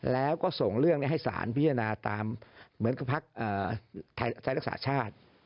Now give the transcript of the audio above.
แล้วก็ส่งเรื่องให้สารพิจารณาตามเหมือนกับพักไทยรักษาชาติ